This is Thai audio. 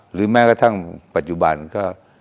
แม้กระทั่งปัจจุบันก็